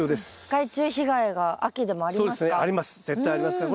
害虫被害が秋でもありますか？